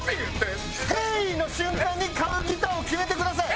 「ＨＥＹ！」の瞬間に買うギターを決めてください。